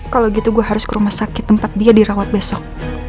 kalau gitu gue harus ke rumah sakit tempat dia dirawat besok